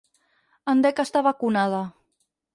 En dec estar vacunada.